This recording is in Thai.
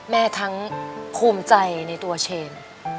ทั้งภูมิใจในตัวเชน